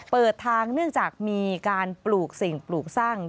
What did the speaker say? เปิดทางเนื่องจากมีการปลูกสิ่งปลูกสร้าง